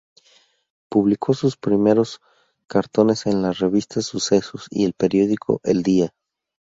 Publicó sus primeros cartones en la revista Sucesos y el periódico El Día.